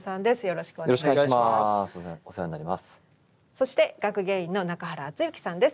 そして学芸員の中原淳行さんです。